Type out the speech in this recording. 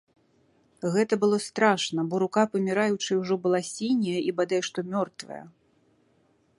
Гэта было страшна, бо рука паміраючай ужо была сіняя і бадай што мёртвая.